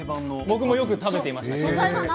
僕も食べていました。